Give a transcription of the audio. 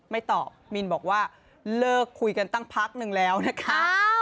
ไม่ตอบมินบอกว่าเลิกคุยกันตั้งพักนึงแล้วนะคะ